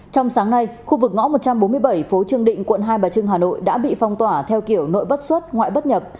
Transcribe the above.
trong sáng nay khu vực ngõ một trăm bốn mươi bảy phố trương định quận hai bà trưng hà nội đã bị phong tỏa theo kiểu nội bất xuất ngoại bất nhập